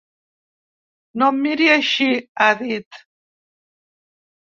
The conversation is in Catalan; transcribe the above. No em miri així!, ha dit.